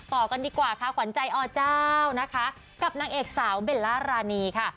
ต่อกันดีกว่าควรใจอออเจ้ากับนางเอกสาวเบลรารานีค่ะ